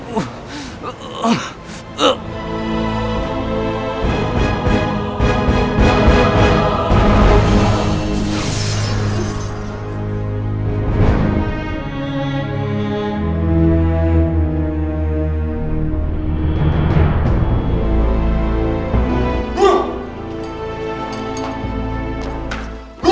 kau harus menggunakan kekuatan itu